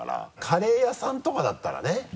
カレー屋さんとかだったらね。